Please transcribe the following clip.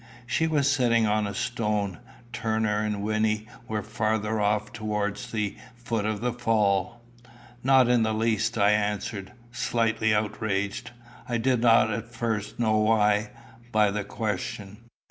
She was sitting on a stone. Turner and Wynnie were farther off towards the foot of the fall. "Not in the least," I answered, slightly outraged I did not at first know why by the question.